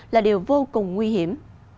là điều vô cùng nguy hiểm